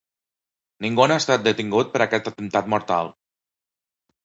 Ningú no ha estat detingut per aquest atemptat mortal.